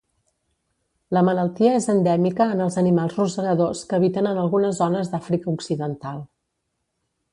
La malaltia és endèmica en els animals rosegadors que habiten en algunes zones d'Àfrica Occidental.